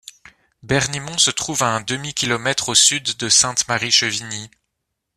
Bernimont se trouve à un demi kilomètre au sud de Sainte-Marie-Chevigny.